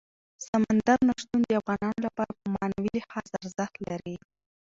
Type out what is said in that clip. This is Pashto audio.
سمندر نه شتون د افغانانو لپاره په معنوي لحاظ ارزښت لري.